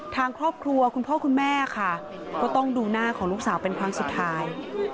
ทางครอบครัวคุณพ่อคุณแม่ค่ะก็ต้องดูหน้าของลูกสาวเป็นครั้งสุดท้าย